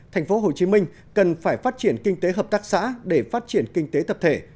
tp hcm cần phải phát triển kinh tế hợp tác xã để phát triển kinh tế tập thể